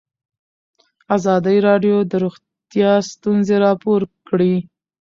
ازادي راډیو د روغتیا ستونزې راپور کړي.